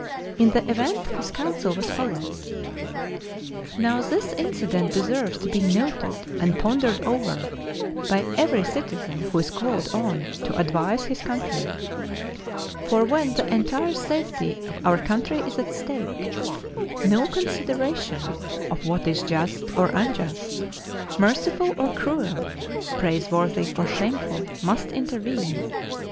In the event his counsel was followed. Now this incident deserves to be noted and pondered over by every citizen who is called on to advise his country; for when the entire safety of our country is at stake, no consideration of what is just or unjust, merciful or cruel, praiseworthy or shameful, must intervene.